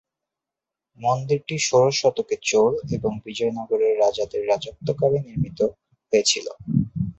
মন্দিরটি ষোড়শ শতকে চোল এবং বিজয়নগরের রাজাদের রাজত্বকালে নির্মিত হয়েছিলো।